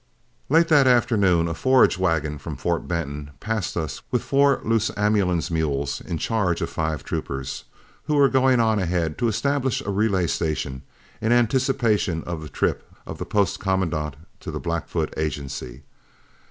Late that afternoon a forage wagon from Fort Benton passed us with four loose ambulance mules in charge of five troopers, who were going on ahead to establish a relay station in anticipation of the trip of the post commandant to the Blackfoot Agency.